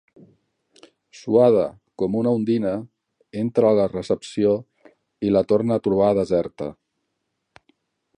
Suada com una ondina, entra a la recepció i la torna a trobar deserta.